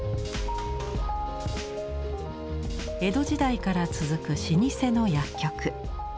江戸時代から続く老舗の薬局。